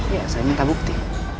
ya saya minta bukti